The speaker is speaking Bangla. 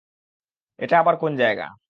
এটা আবার কোন জায়গা?